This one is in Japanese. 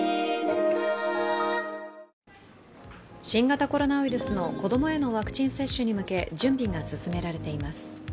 新型コロナウイルスの子供へのワクチン接種に向け準備が進められています。